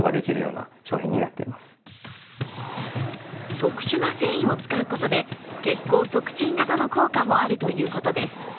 特殊な繊維を使うことで血行促進などの効果もあるということです。